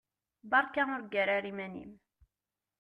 Beṛka ur ggar ara iman-im.